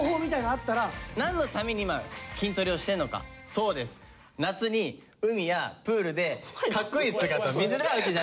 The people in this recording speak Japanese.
そうです夏に海やプールでかっこいい姿見せたいわけじゃないですか。